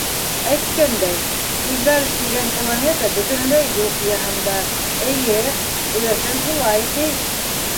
Әйткәндәй, Ивәл тигән Планета бөтөнләй юҡ йыһанда, эйе, өләсәм шулай, ти.